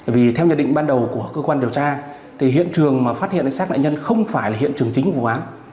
vì theo nhận định ban đầu của cơ quan điều tra thì hiện trường mà phát hiện xác nạn nhân không phải là hiện trường chính của vụ án